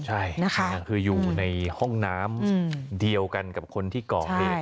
ใช่นะคะคืออยู่ในห้องน้ำเดียวกันกับคนที่ก่อเหตุ